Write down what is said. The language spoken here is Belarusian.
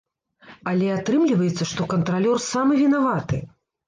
Але атрымліваецца, што кантралёр самы вінаваты!